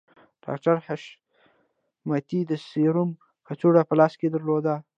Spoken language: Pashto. ډاکټر حشمتي د سيرومو کڅوړه په لاس کې درلوده